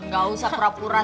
gak usah pura pura